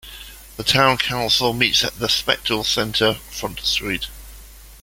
The Town Council meets at The Spetchells Centre, Front Street.